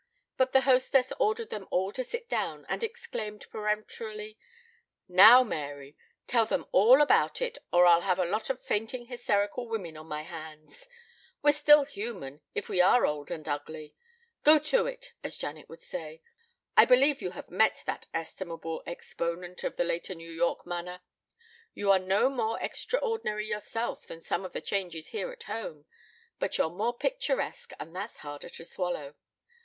But the hostess ordered them all to sit down and exclaimed peremptorily: "Now, Mary, tell them all about it or I'll have a lot of fainting hysterical women on my hands. We're still human if we are old and ugly. Go to it, as Janet would say. I believe you have met that estimable exponent of the later New York manner. You are no more extraordinary yourself than some of the changes here at home, but you're more picturesque, and that's harder to swallow.